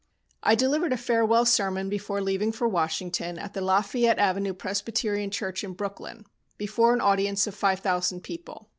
I delivered a farewell sermon before leaving for Washington, at the Lafayette Avenue Presbyterian Church, in Brooklyn, before an audience of five thousand people.